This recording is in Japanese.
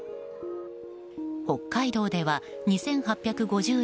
北海道では２８５６人。